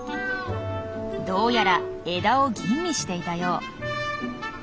どうやら枝を吟味していたよう。